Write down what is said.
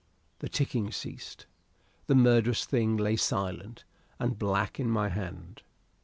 The ticking ceased; the murderous thing lay silent and black in my hand.